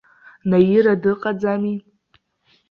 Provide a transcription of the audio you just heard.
Наира дыҟаӡами?